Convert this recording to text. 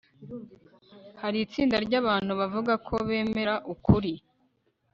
Hari itsinda ryabantu bavuga ko bemera ukuri